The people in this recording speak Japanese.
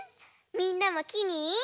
みんなもきに。